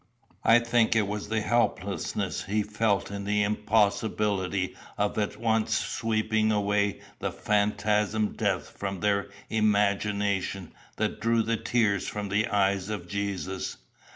I think it was the helplessness he felt in the impossibility of at once sweeping away the phantasm death from their imagination that drew the tears from the eyes of Jesus.